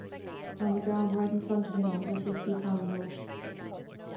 On the ground right in front of him was a fifty pound note.